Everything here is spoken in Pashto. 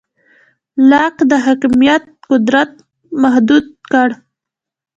لاک د حاکمیت قدرت محدود کړ.